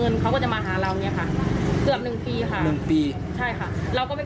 เราก็จะมีการเอาโทรศัพท์ไป